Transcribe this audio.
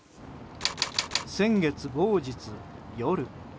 先月某日、夜。